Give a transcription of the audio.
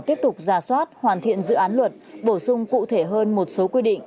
tiếp tục giả soát hoàn thiện dự án luật bổ sung cụ thể hơn một số quy định